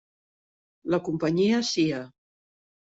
La companyia Cia.